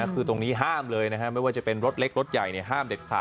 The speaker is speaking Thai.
คือตรงนี้ห้ามเลยนะฮะไม่ว่าจะเป็นรถเล็กรถใหญ่ห้ามเด็ดขาด